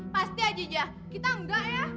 pasti aja kita enggak ya